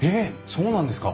そうなんですか？